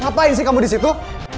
ngapain sih kamu disitu